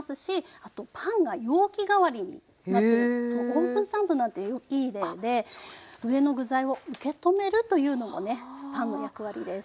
オープンサンドなんていい例で上の具材を受け止めるというのもねパンの役割です。